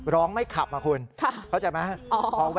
ไม่ขับนะคุณเข้าใจไหม